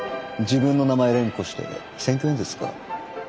自分の名前連呼して選挙演説か。